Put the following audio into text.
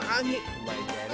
うまいんだよね。